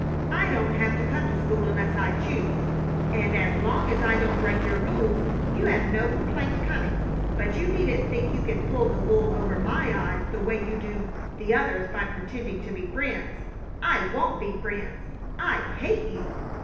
I don't have to come to school unless I choose, and as long as I don't break your rules you have no complaint coming; but you needn't think you can pull the wool over my eyes the way you do the others by pretending to be friends. I won't be friends! I hate you!"